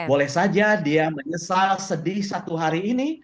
boleh saja dia menyesal sedih satu hari ini